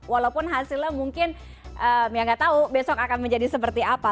walaupun hasilnya mungkin ya nggak tahu besok akan menjadi seperti apa